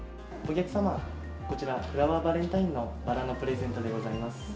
お客様、こちら、フラワーバレンタインのバラのプレゼントでございます。